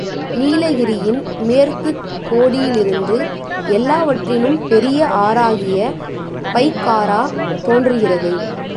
நீலகிரியின் மேற்குக் கோடியிலிருந்து எல்லாவற்றினும் பெரிய ஆறாகிய பைக்காரா தோன்றுகிறது.